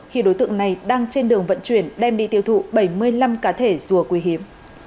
khi đối tượng này đang trên đường vận chuyển đem đi tiêu thụ bảy mươi năm cá thể rùa quý hiếm